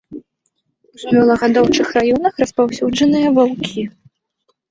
У жывёлагадоўчых раёнах распаўсюджаныя ваўкі.